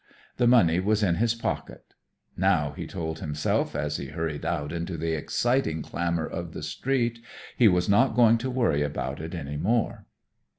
The money was in his pocket. Now, he told himself as he hurried out into the exciting clamor of the street, he was not going to worry about it any more.